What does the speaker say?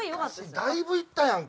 だいぶいったやんか。